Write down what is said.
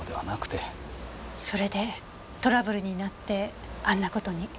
それでトラブルになってあんな事に？